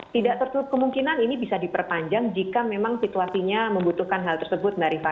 tidak tertutup kemungkinan ini bisa diperpanjang jika memang situasinya membutuhkan hal tersebut mbak rifana